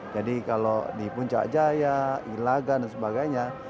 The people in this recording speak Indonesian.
jadi kalau di puncak jaya ilagan dan sebagainya